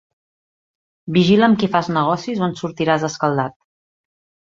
Vigila amb qui fas negocis o en sortiràs escaldat.